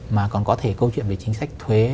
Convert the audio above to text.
mà còn có thể câu chuyện về chính sách thuế